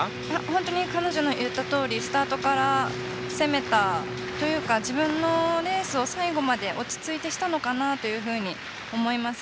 本当に彼女の言ったとおりスタートから攻めたというか、自分のレースを最後まで落ち着いてしたのかなというふうに思います。